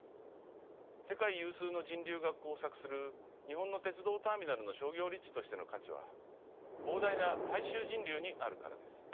世界有数の人流が交錯する日本の鉄道ターミナルの商業立地としての価値は膨大な大衆人流にあるからです。